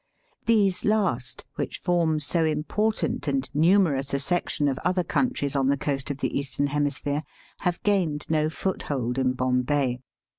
These last, which form so important and numerous a section of other countries on the coast of the Eastern hemisphere, have gained no foothold in Bombay.